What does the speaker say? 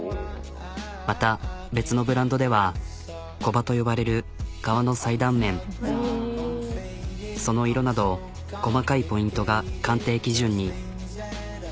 また別のブランドではコバと呼ばれる革の裁断面その色など細かいポイントが鑑定基準に。